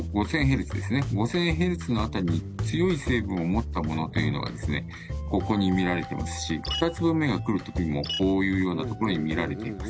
５，０００Ｈｚの辺りに強い成分をもったものがここに見られていますし２粒目がくるときにもこういうようなところに見られています。